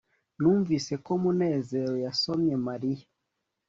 numvise ko munezero yasomye mariya